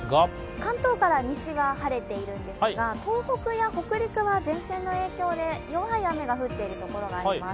関東から西は晴れているんですが、東北や北陸は前線の影響で弱い雨が降っているところがあります。